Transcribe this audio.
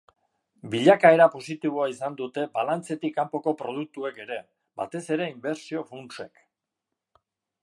Bilakaera positiboa izan dute balantzetik kanpoko produktuek ere, batez ere inbertsio-funtsek.